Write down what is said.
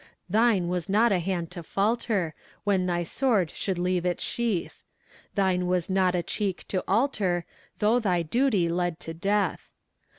Thine was not a hand to falter When thy sword should leave its sheath: Thine was not a cheek to alter, Though thy duty led to death!